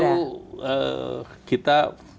ya tentu kita